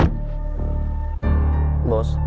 tidak ada yang bisa dihukum